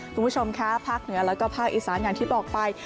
คุณผู้ชมคะภาคเหนือแล้วก็ภาคอีสานอย่างที่บอกไป